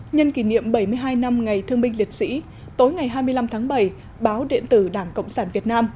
nhân kỷ niệm bảy mươi hai năm ngày thương binh liệt sĩ tối ngày hai mươi năm tháng bảy báo điện tử đảng cộng sản việt nam